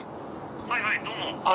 はいはいどうも。